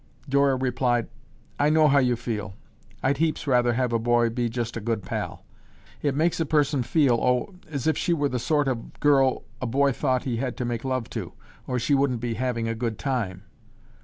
Dora replied, "I know how you feel. I'd heaps rather have a boy be just a good pal. It makes a person feel, oh, as if she were the sort of a girl a boy thought he had to make love to, or she wouldn't be having a good time.